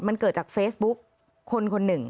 มันเกิดจากเฟซบุ๊กคนคนหนึ่ง